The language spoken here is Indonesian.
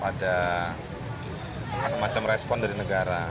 ada semacam respon dari negara